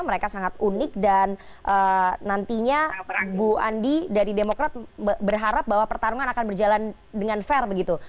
mereka sangat unik dan nantinya bu andi dari demokrat berharap bahwa pertarungan akan berjalan dengan fair begitu